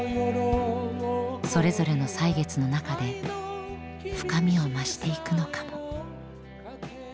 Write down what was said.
それぞれの歳月の中で深みを増していくのかも。